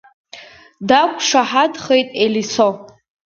Дақәшаҳаҭхеит Елисо.